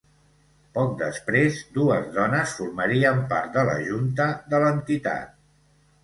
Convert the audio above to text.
Poc després, dues dones formarien part de la Junta de l'entitat.